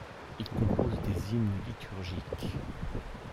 Il compose des hymnes liturgiques.